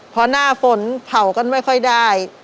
เพราะหน้าฝนเผากันไม่ค่อยได้